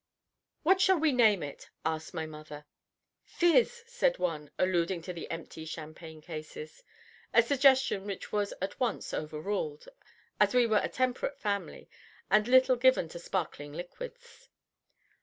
"What shall we name it?" asked my mother. "Fiz," said one, alluding to the empty champagne cases, a suggestion which was at once overruled, as we were a temperate family and little given to sparkling liquids.